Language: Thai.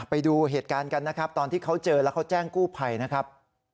ไปดูเหตุการณ์กันนะครับตอนที่เขาเจอแล้วเขาแจ้งกู้ภัยนะครับ